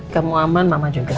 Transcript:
kamu aman mama juga pasti